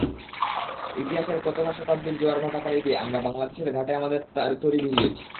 ইতিহাসের কত-না শতাব্দীর জোয়ার-ভাটা পাড়ি দিয়ে আমরা বাংলাদেশের ঘাটে আমাদের তরি ভিড়িয়েছি।